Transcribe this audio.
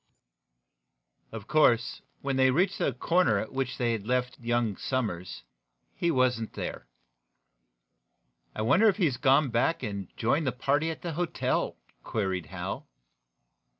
Of course, when they reached the corner at which they had left young Somers, he was not there. "I wonder if he has gone back and joined the party at the hotel?" queried Hal.